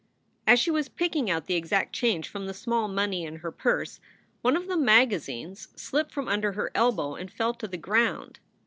As she was picking out the exact change from the small money in her purse, one of the magazines slipped from under her elbow and fell to the ground.